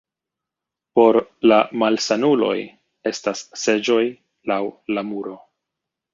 Por la malsanuloj estas seĝoj laŭ la muro.